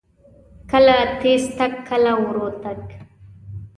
کله تیز تګ، کله ورو تګ.